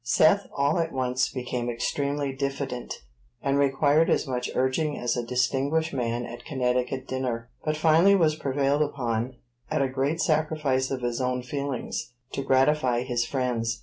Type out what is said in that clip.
Seth, all at once, became extremely diffident, and required as much urging as a distinguished man at Commencement dinner, but finally was prevailed upon, at a great sacrifice of his own feelings, to gratify his friends.